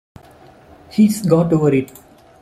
He’s got over it.